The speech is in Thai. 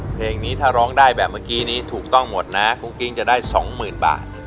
เพลงนี้ถ้าร้องได้แบบเมื่อกี้นี้ถูกต้องหมดนะกุ้งกิ๊งจะได้๒๐๐๐บาท